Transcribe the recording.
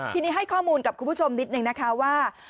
ทีนี้ให้ข้อมูลกับคุณผู้ชมนิดนึงนะคะว่า